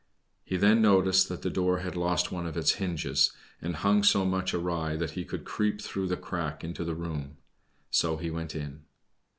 He then noticed that the door had lost one of its hinges, and hung so much awry that he could creep through the crack into the room. So he went in.